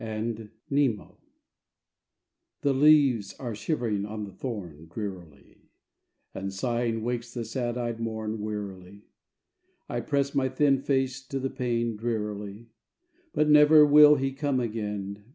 WOMAN'S PORTION I The leaves are shivering on the thorn, Drearily; And sighing wakes the sad eyed morn, Wearily. I press my thin face to the pane, Drearily; But never will he come again.